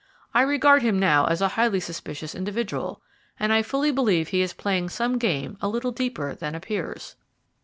I regard him now as a highly suspicious individual, and I fully believe he is playing some game a little deeper than appears."